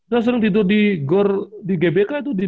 saya sering tidur di gbk itu